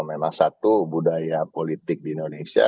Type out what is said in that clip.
memang satu budaya politik di indonesia